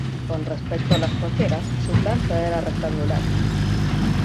Con respecto a las cocheras, su planta era rectangular.